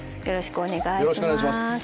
よろしくお願いします。